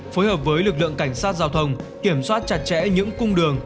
phối hợp với lực lượng cảnh sát giao thông kiểm soát chặt chẽ những cung đường